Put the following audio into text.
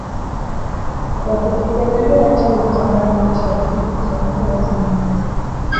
Kwa kukipendelea chama tawala cha Umoja wa kitaifa wa Zimbabwe.